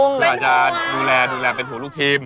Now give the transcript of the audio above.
คืออาจจะดูแลอย่างเป็นผู้ลูกทีม